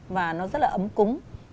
và nó rất là ấm cúng